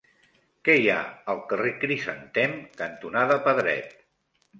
Què hi ha al carrer Crisantem cantonada Pedret?